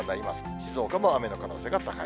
静岡も雨の可能性が高い。